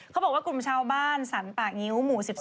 เขาบอกว่ากลุ่มชาวบ้านสรรป่างิ้วหมู่๑๒